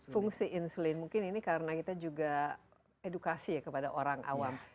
fungsi insulin mungkin ini karena kita juga edukasi ya kepada orang awam